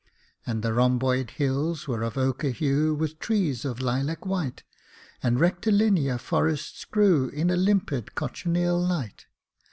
And the rhomboid hills were of ochre hue With trees of lilac white, And rectilinear forests grew In a limpid cochineal light.